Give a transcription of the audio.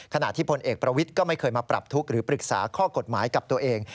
ขณะที่พลเอกประวิทย์ก็ไม่เคยมาปรับทุกข์หรือปรึกษาข้อกฎหมายกับตัวเอง